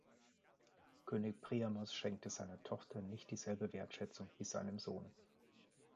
König Priamos schenkt seiner Tochter nicht dieselbe Wertschätzung wie seinem Sohn.